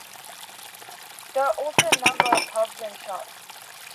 There are also a number of pubs and shops.